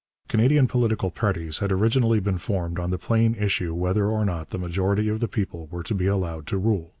Canadian political parties had originally been formed on the plain issue whether or not the majority of the people were to be allowed to rule.